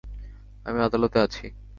আমি আদালতে আছি।